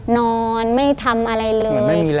นอนไม่ทำอะไรเลย